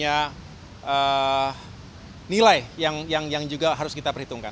ya semua punya peran semua punya nilai yang juga harus kita perhitungkan